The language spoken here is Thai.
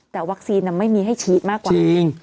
แต่วัคซีนไม่มีให้ฉีดมากกว่า